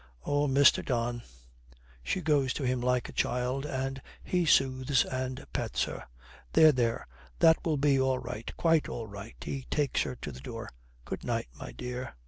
Oh, Mr. Don ' She goes to him like a child, and he soothes and pets her. 'There, there! That will be all right, quite all right.' He takes her to the door. 'Good night, my dear.'